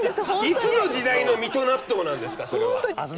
いつの時代の水戸納豆なんですかそれは。